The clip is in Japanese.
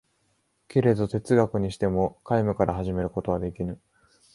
けれど哲学にしても空無から始めることはできぬ。